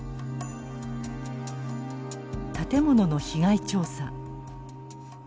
建物の被害調査。